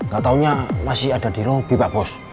gak taunya masih ada di lobi pak bos